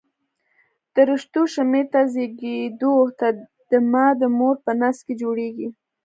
د رشتو شمېر تر زېږېدو د مه د مور په نس کې جوړېږي.